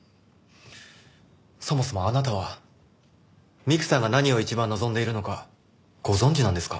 そもそもあなたは美玖さんが何を一番望んでいるのかご存じなんですか？